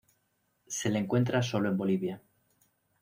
Se le encuentra sólo en Bolivia.